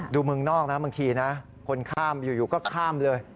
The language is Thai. ดูเมืองนอกนะเมื่อกี้นะคนข้ามอยู่ก็ข้ามเลย